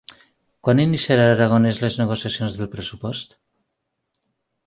Quan iniciarà Aragonès les negociacions del pressupost?